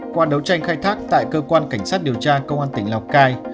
qua đấu tranh khai thác tại cơ quan cảnh sát điều tra công an tỉnh lào cai